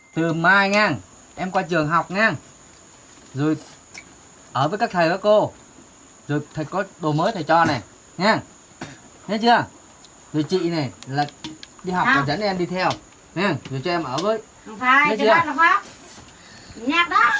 thầy cô nói với thầy cô thầy có đồ mới thầy cho nè nghe chưa rồi chị này là đi học và dẫn em đi theo nghe chưa rồi cho em ở với